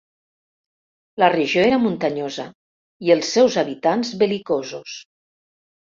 La regió era muntanyosa i els seus habitants bel·licosos.